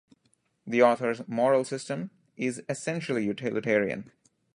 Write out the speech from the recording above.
The author's moral system, is essentially utilitarian.